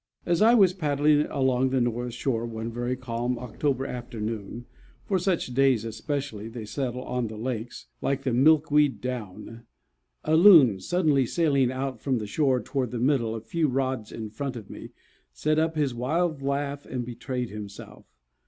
As I was paddling along the north shore one very calm October afternoon, for such days especially they settle on the lakes, like the milkweed down, a Loon, suddenly sailing out from the shore toward the middle a few rods in front of me, set up his wild laugh and betrayed himself.